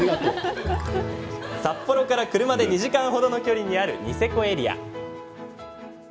札幌から車で２時間程の距離にあるニセコエリア。